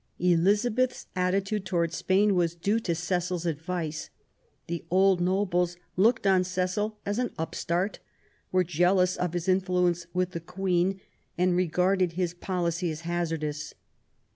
Elizabeth's attitude towards Spain was due to Cecil's advice. The old nobles looked on Cecil as an upstart, were jealous of his influence with the Queen and re garded his policy as hazardous.